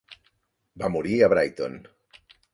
Va morir a Brighton.